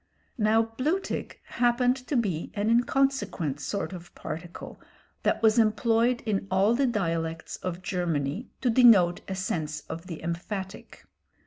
Now "blutig" happened to be an inconsequent sort of particle that was employed in all the dialects of Germany to denote a sense of the emphatic.